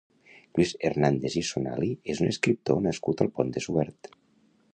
Lluís Hernàndez i Sonali és un escriptor nascut al Pont de Suert.